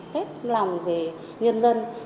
hết lòng về nhân dân